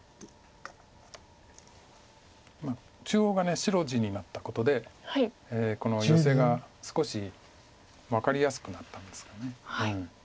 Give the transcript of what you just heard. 中央が白地になったことでヨセが少し分かりやすくなってますよね。